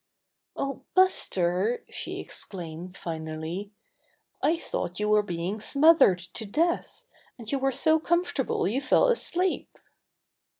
"Oh, Buster," she exclaimed finally, "I thought you were being smothered to death, and you were so comfortable you fell asleep."